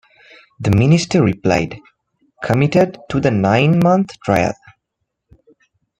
The Minister replied, committed to the nine-month trial.